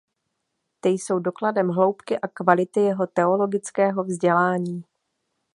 Ty jsou dokladem hloubky a kvality jeho teologického vzdělání.